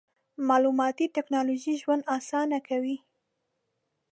مالوماتي ټکنالوژي ژوند اسانه کوي.